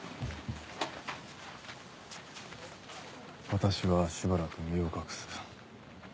私はしばらく身を隠す。